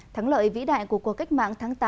chống mọi mưu mô xâm lược